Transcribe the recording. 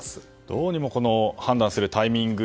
どうにも、判断するタイミング